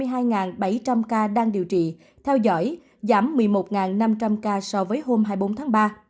hà nội đang điều trị theo dõi giảm một mươi một năm trăm linh ca so với hôm hai mươi bốn tháng ba